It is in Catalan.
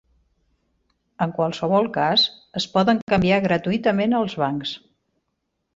En qualsevol cas, es poden canviar gratuïtament als bancs.